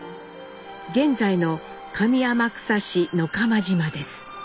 現在の上天草市野釜島です。